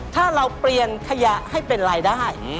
ถ้าเราเปลี่ยนขยะให้เป็นรายได้